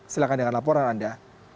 silahkan dengan laporan anda